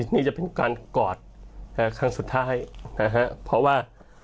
นี่จะเป็นการกอดครั้งสุดท้ายนะฮะเพราะว่า